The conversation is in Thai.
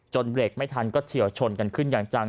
เบรกไม่ทันก็เฉียวชนกันขึ้นอย่างจัง